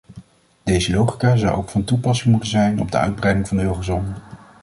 Deze logica zou ook van toepassing moeten zijn op de uitbreiding van de eurozone.